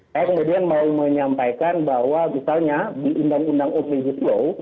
saya kemudian mau menyampaikan bahwa misalnya di undang undang omnibus law